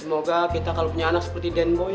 semoga kita kalo punya anak seperti den boy ya